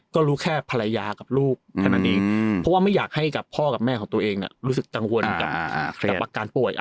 ก็รู้แค่ภรรยากับลูกแค่นั้นเองเพราะว่าไม่อยากให้กับพ่อกับแม่ของตัวเองรู้สึกกังวลกับอาการป่วย